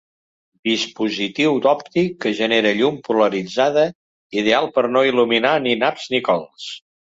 Dispositiu òptic que genera llum polaritzada ideal per no il·luminar ni naps ni cols.